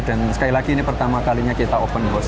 dan sekali lagi ini pertama kalinya kita open house